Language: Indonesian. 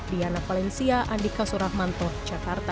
diana valencia andika surahmanto jakarta